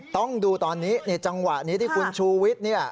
ต้องดูตอนนี้จังหวะนี้ที่คุณชูวิทย์